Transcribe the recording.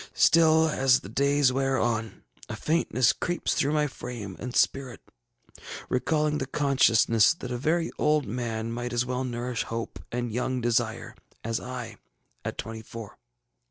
Still, as the days wear on, a faintness creeps through my frame and spirit, recalling the consciousness that a very old man might as well nourish hope and young desire as I at twenty four.